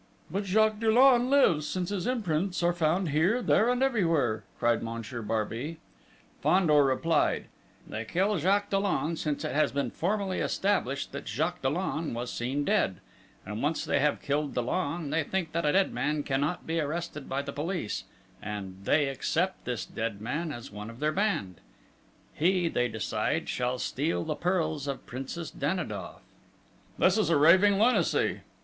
"But Jacques Dollon lives, since his imprints are found here, there and everywhere!..." cried Monsieur Barbey. Fandor replied: "They kill Jacques Dollon, since it has been formally established that Jacques Dollon was seen dead; and once they have killed Dollon, they think that a dead man cannot be arrested by the police, and they accept this dead man as one of their band.... He, they decide, shall steal the pearls of Princess Danidoff!..." "This is raving lunacy!"